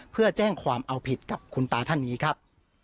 เพื่อแจ้งความเอาผิดกับคุณตาท่านนี้ครับ